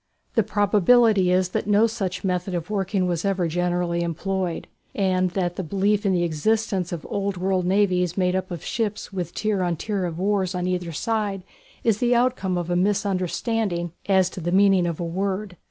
The probability is that no such method of working was ever generally employed, and that the belief in the existence of old world navies made up of ships with tier on tier of oars on either side is the outcome of a misunderstanding as to the meaning of a word.